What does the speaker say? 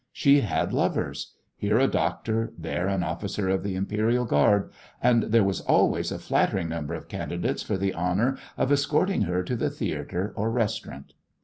She had lovers; here a doctor, there an officer of the Imperial Guard; and there was always a flattering number of candidates for the honour of escorting her to the theatre or restaurant.